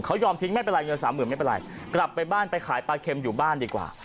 เขายอมทิ้งไม่เป็นไรเงินสามหมื่นไม่เป็นไรกลับไปบ้านไปขายปลาเค็มอยู่บ้านดีกว่า